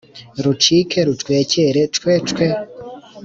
rucike rucwekere cwe cwe!